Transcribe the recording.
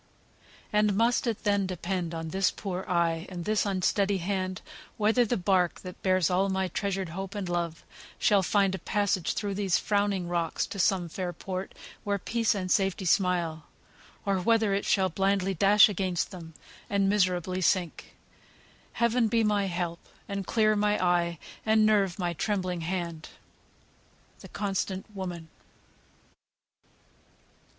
"And must it then depend on this poor eye And this unsteady hand, whether the bark, That bears my all of treasured hope and love, Shall find a passage through these frowning rocks To some fair port where peace and safety smile, Or whether it shall blindly dash against them, And miserably sink? Heaven be my help; And clear my eye, and nerve my trembling hand!" "THE CONSTANT WOMAN."